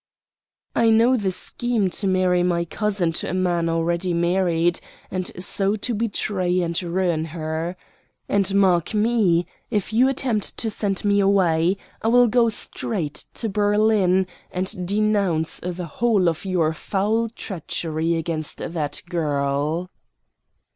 "I know the scheme to marry my cousin to a man already married, and so to betray and ruin her. And, mark me, if you attempt to send me away, I will go straight to Berlin and denounce the whole of your foul treachery against that girl."